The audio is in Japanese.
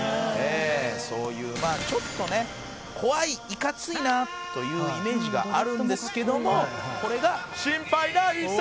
「そういうまあちょっとね怖いイカついなというイメージがあるんですけどもこれが心配ないさ！」